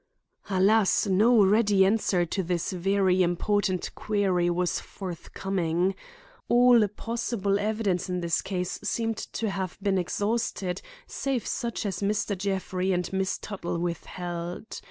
Alas, no ready answer to this very important query was forthcoming. All possible evidence in this case seemed to have been exhausted save such as Mr. Jeffrey and Miss Tuttle withheld.